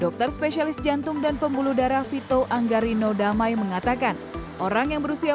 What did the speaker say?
dokter spesialis jantung dan pembuluh darah vito anggarino damai mengatakan orang yang berusia